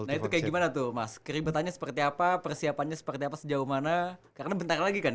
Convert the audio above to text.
nah itu kayak gimana tuh mas keributannya seperti apa persiapannya seperti apa sejauh mana karena bentar lagi kan